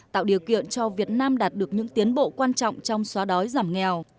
tạo điều kiện cho việt nam đạt được những tiến bộ quan trọng trong xóa đói giảm nghèo